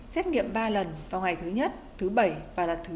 xét nghiệm ba lần vào ngày thứ nhất thứ bảy và lần thứ ba